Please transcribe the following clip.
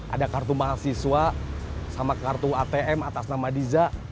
ada kartu mahasiswa sama kartu atm atas nama diza